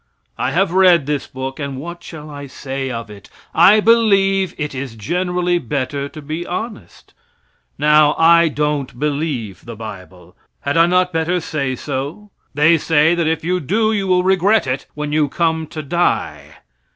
I have read this book and what shall I say of it? I believe it is generally better to be honest. Now, I don't believe the bible. Had I not better say so? They say that if you do you will regret it when you come to die.